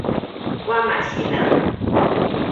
我嘛是人